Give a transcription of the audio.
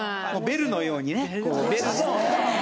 ベルのようにねこう。